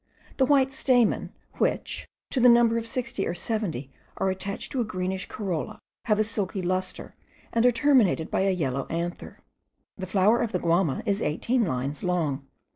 The white stamina, which, to the number of sixty or seventy, are attached to a greenish corolla, have a silky lustre, and are terminated by a yellow anther. The flower of the guama is eighteen lines long.